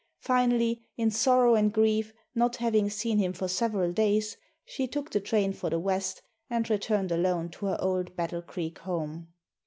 Finally, in sorrow and grief, not having seen him for several days, she took the train for the West and returned alone to her old Battle Creek home.